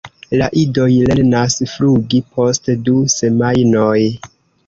La idoj lernas flugi post du semajnoj.